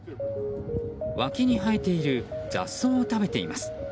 脇に生えている雑草を食べています。